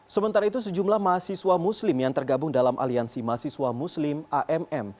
sementara itu sejumlah mahasiswa muslim yang tergabung dalam aliansi mahasiswa muslim amm